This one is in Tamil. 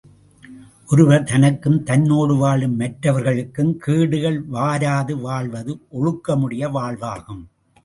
ஒருவர் தனக்கும் தன்னோடு வாழும் மற்றவர்களுக்கும் கேடுகள் வாராது வாழ்வது ஒழுக்கமுடைய வாழ்வாகும்.